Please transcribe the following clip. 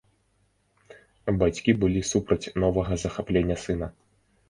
Бацькі былі супраць новага захаплення сына.